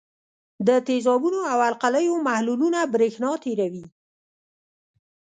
د تیزابونو او القلیو محلولونه برېښنا تیروي.